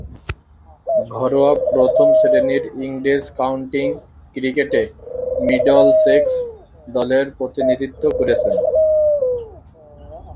ঘরোয়া প্রথম-শ্রেণীর ইংরেজ কাউন্টি ক্রিকেটে মিডলসেক্স দলের প্রতিনিধিত্ব করেছেন।